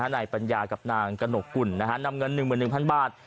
นายปัญญากับนางกระหนกกุลนำเงิน๑๑๐๐๐บาท